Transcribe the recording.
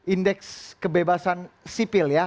indeks kebebasan sipil